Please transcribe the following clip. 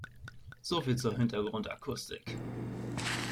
So viel zur Hintergrundakustik.